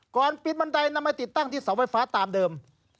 ก่อนปิดบันไดนำไปติดตั้งที่เสาไฟฟ้าตามเดิม